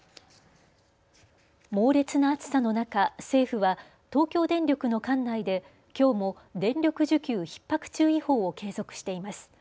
猛烈な暑さの中、政府は東京電力の管内できょうも電力需給ひっ迫注意報を継続しています。